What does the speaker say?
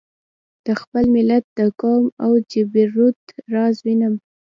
د خپل ملت د قوت او جبروت راز وینم.